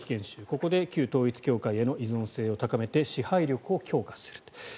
ここで旧統一教会への依存性を高めて支配力を強化する。